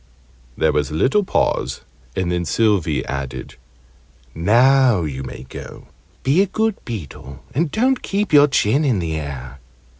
There was a little pause, and then Sylvie added "Now you may go. Be a good beetle, and don't keep your chin in the air."